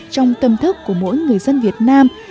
trong tâm thức của mỗi người dân việt nam